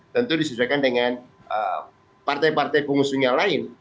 tentu disesuaikan dengan partai partai pengusung yang lain